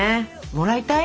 もらいたい？